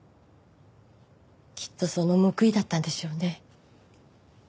きっとその報いだったんでしょうね。